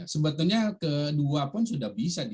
sebetulnya ke dua pun sudah bisa